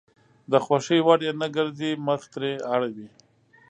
د خوښې وړ يې نه ګرځي مخ ترې اړوي.